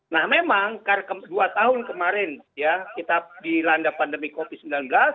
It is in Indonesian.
nah memang karena dua tahun kemarin ya kita dilanda pandemi covid sembilan belas